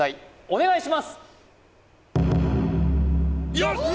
お願いします